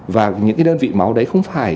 và những cái đơn vị máu đấy không phải